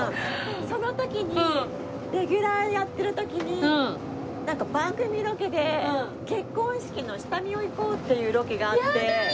その時にレギュラーやってる時になんか番組ロケで結婚式の下見に行こうっていうロケがあって。